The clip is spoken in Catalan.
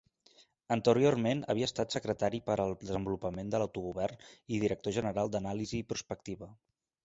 Anteriorment havia estat secretari per al Desenvolupament de l'Autogovern i director general d'Anàlisi i Prospectiva.